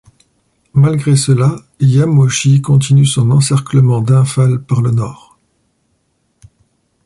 Malgré cela, Yamauchi continue son encerclement d'Imphal par le nord.